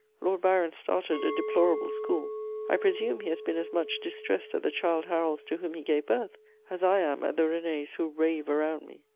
] Lord Byron started a deplorable school: I presume he has been as much distressed at the Childe Harolds to whom he gave birth as I am at the Renés who rave around me.